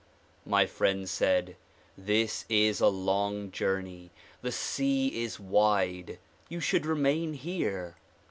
My friends said "This is a long journey; the sea is wide; you should remain here."